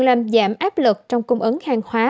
làm giảm áp lực trong cung ứng hàng hóa